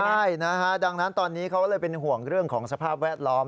ใช่นะฮะดังนั้นตอนนี้เขาเลยเป็นห่วงเรื่องของสภาพแวดล้อม